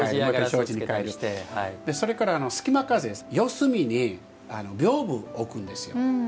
それから隙間風四隅に屏風置くんですよ。